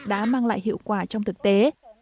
đã mang lại hiệu quả trong thực tế